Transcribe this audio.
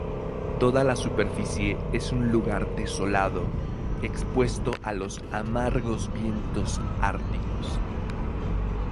Toda la superficie es un lugar desolado, expuesto a los amargos vientos árticos.